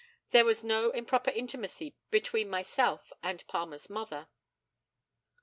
There was no improper intimacy between myself and Palmer's mother.